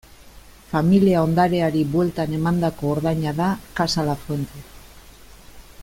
Familia ondareari bueltan emandako ordaina da Casa Lafuente.